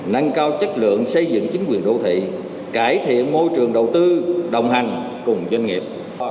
nâng cao chất lượng xây dựng chính quyền đô thị cải thiện môi trường đầu tư đồng hành cùng doanh nghiệp